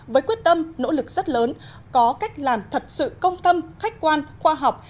với quyết tâm nỗ lực rất lớn có cách làm thật sự công tâm khách quan khoa học